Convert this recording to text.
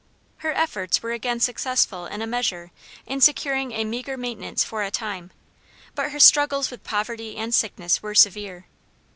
Her efforts were again successful in a measure in securing a meagre maintenance for a time; but her struggles with poverty and sickness were severe.